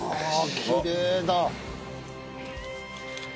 きれいだ！